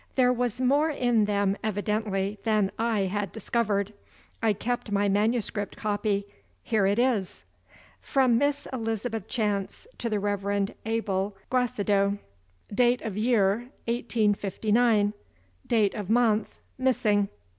There was more in them evidently than I had discovered. I kept my manuscript copy here it is: From Miss Elizabeth Chance to the Rev. Abel Gracedieu. (Date of year, 1859. Date of month, missing.)